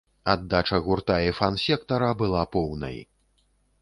Аддача гурта і фан-сектара была поўнай.